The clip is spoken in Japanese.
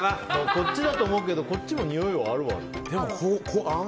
こっちだと思うけどこっちもにおいはあるわ。